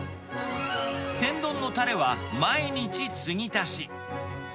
天丼のたれは、毎日つぎ足し。